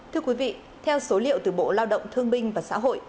thưa quý vị theo số liệu từ bộ lao động thương binh và xã hội